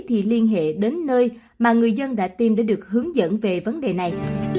thì liên hệ đến nơi mà người dân đã tìm để được hướng dẫn về vấn đề này